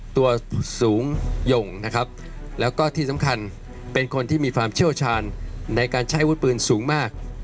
ตัวสูงหย่งนะครับแล้วก็ที่สำคัญเป็นคนที่มีความเชี่ยวชาญในการใช้อาวุธปืนสูงมาก